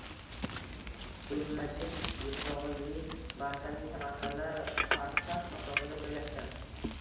Buzmajin rustog‘ining markazi. Samarqanddan farsax masofada joylashgan.